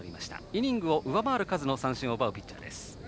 イニングを上回る数の三振を奪うピッチングです。